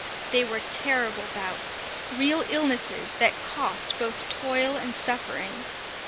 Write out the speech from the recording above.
They were terrible bouts, real illnesses that cost both toil and suffering.